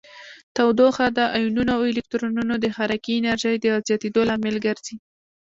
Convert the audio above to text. تودوخه د ایونونو او الکترونونو د حرکې انرژي د زیاتیدو لامل ګرځي.